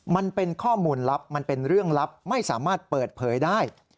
มันเป็นข้อมูลลับมันเป็นเรื่องลับไม่สามารถเปิดเผยได้